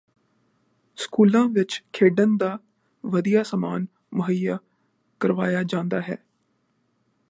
ਸਕੂਲਾਂ ਵਿਚ ਖੇਡਣ ਦਾ ਵਧੀਆ ਸਮਾਨ ਮੁਹੱਈਆ ਕਰਵਾਇਆ ਜਾਂਦਾ ਹੈ